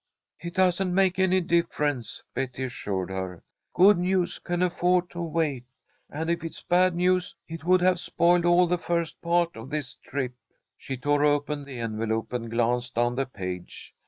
"It doesn't make any difference," Betty assured her. "Good news can afford to wait, and, if it's bad news, it would have spoiled all the first part of this trip." She tore open the envelope and glanced down the page.